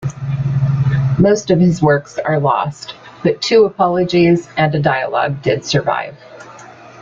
Most of his works are lost, but two apologies and a dialogue did survive.